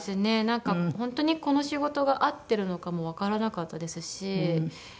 なんか本当にこの仕事が合ってるのかもわからなかったですし。